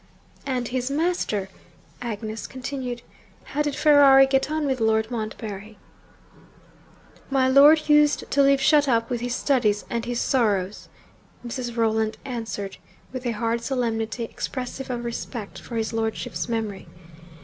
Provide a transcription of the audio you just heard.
'And his master?' Agnes continued. 'How did Ferrari get on with Lord Montbarry?' 'My lord used to live shut up with his studies and his sorrows,' Mrs. Rolland answered, with a hard solemnity expressive of respect for his lordship's memory.